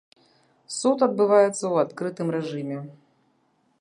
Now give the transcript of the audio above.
Суд адбываецца ў адкрытым рэжыме.